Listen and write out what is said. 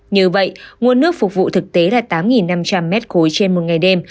như vậy nguồn nước phục vụ thực tế là tám năm trăm linh m ba trên một ngày đêm